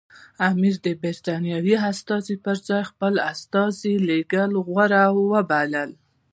امیر د برټانوي استازي پر ځای خپل استازی لېږل غوره وبلل.